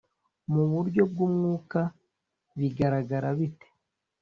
mu buryo bw umwuka bigaragara bite